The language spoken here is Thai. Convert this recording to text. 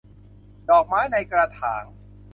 ดอกไม้ในกระถาง